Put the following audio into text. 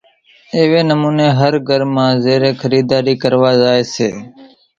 ايوي نموني ھر گھر مان زيرين خريداري ڪروا زائي سي